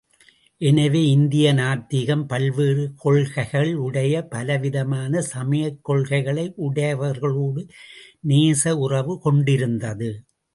எனவே இந்திய நாத்திகம் பல்வேறு கொள்கைகளையுடைய பலவிதமான சமயக் கொள்கைகளை உடையவர்களோடு நேச உறவு கொண்டிருந்தது.